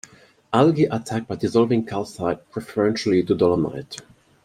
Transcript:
Algae attack by dissolving calcite preferentially to dolomite.